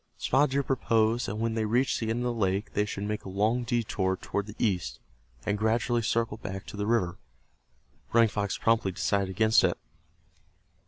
Spotted Deer proposed that when they reached the end of the lake they should make a long detour toward the east, and gradually circle back to the river. Running Fox promptly decided against it.